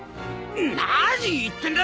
何言ってんだ？